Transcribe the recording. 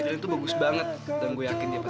semua pada pergi pak pada bubar